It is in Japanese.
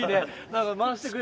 回してくれてる。